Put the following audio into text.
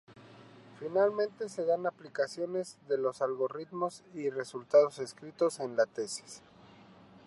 Finalmente se dan aplicaciones de los algoritmos y resultados descritos en la tesis.